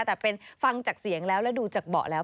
แต่เป็นฟังจากเสียงแล้วแล้วดูจากเบาะแล้ว